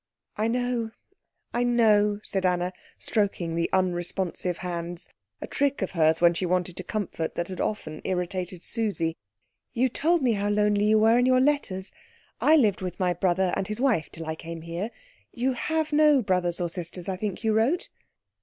"I know, I know," said Anna, stroking the unresponsive hands a trick of hers when she wanted to comfort that had often irritated Susie. "You told me how lonely you were in your letters. I lived with my brother and his wife till I came here. You have no brothers or sisters, I think you wrote."